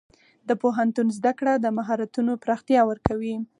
د پوهنتون زده کړه د مهارتونو پراختیا ورکوي.